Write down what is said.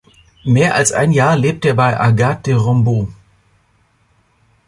Mehr als ein Jahr lebte er bei Agathe de Rambaud.